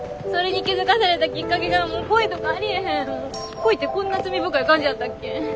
恋ってこんな罪深い感じやったっけ？